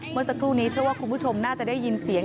เมื่อสักครู่นี้เชื่อว่าคุณผู้ชมน่าจะได้ยินเสียง